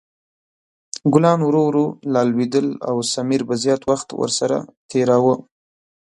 ګلان ورو ورو لا لویدل او سمیر به زیات وخت ورسره تېراوه.